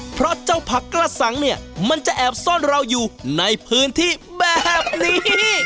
เพราะเจ้าผักกระสังเนี่ยมันจะแอบซ่อนเราอยู่ในพื้นที่แบบนี้